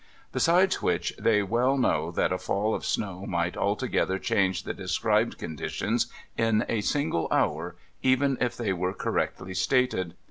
Besides which, they well know that a fall of snow might altogether change the described conditions in a single hour, even if they were correctly stated.